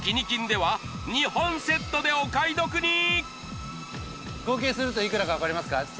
金では２本セットでお買い得に合計するといくらか分かりますか？